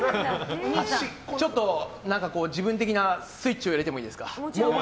ちょっと、自分的なスイッチを入れてもいいですか。